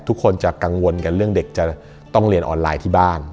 ทุกคนจะกังวลกันเรื่องเด็กจะต้องเรียนออนไลน์ที่บ้าน